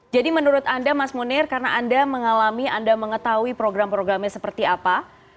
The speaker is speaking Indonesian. jadi menurut anda mas munir karena anda mengalami anda mengetahui program programnya seperti apa